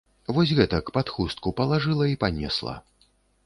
Вось гэтак, пад хустку палажыла і панесла.